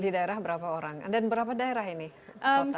di daerah berapa orang dan berapa daerah ini kota